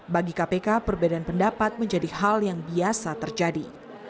bagi kpk perbedaan pendapat menjadi hal yang biasa terjadi